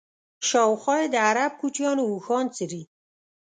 شاوخوا یې د عرب کوچیانو اوښان څري.